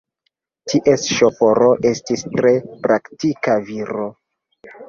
Ties ŝoforo estis tre praktika viro.